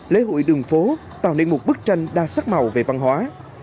lễ hội đường phố tạo nên một bức tranh đa sắc màu về văn hóa